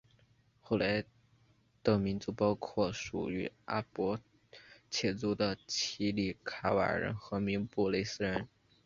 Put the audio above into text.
后来的民族包括属于阿帕契族的奇里卡瓦人和明布雷斯人。